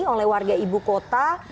oleh warga ibu kota